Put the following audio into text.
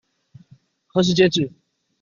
何時截止？